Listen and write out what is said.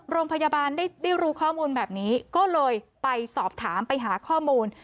โรงพยาบาลได้รู้ข้อมูลแบบนี้ก็เลยไปสอบถามไปหาข้อมูล